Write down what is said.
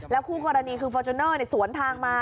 คู่กรณีคือฟอร์จูเนอร์สวนทางมา